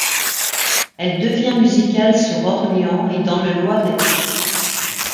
Elle devient musicale sur Orléans et dans le Loiret.